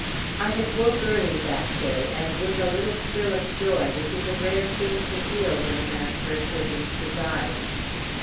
I had woke early that day, and with a little thrill of joy which is a rare thing to feel when a man first opens his eyes.